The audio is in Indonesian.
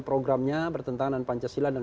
programnya bertentangan dengan pancasila dan